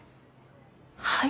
はい？